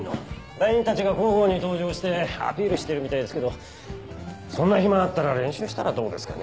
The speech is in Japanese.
団員たちが交互に登場してアピールしてるみたいですけどそんな暇あったら練習したらどうですかね？